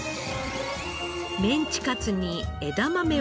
メンチカツに枝豆を入れたえ